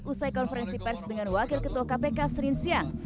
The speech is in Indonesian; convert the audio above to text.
usai konferensi pers dengan wakil ketua kpk sering siang